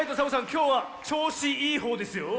きょうはちょうしいいほうですよ。